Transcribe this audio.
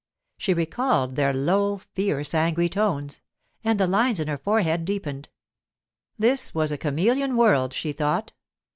She recalled their low, fierce, angry tones; and the lines in her forehead deepened. This was a chameleon world, she thought.